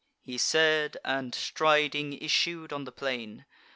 He said; and, striding, issued on the plain.